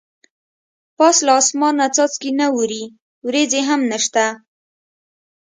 پاس له اسمان نه څاڅکي نه اوري ورېځې هم نشته.